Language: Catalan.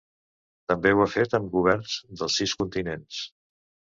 També ho ha fet amb governs dels sis continents.